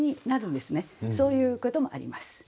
そういうこともあります。